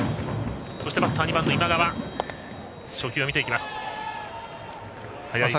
そしてバッター、２番の今川は初球を見ていきます。